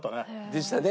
でしたね。